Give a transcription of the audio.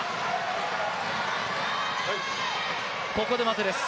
ここで待てです。